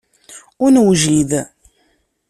Ur newjid.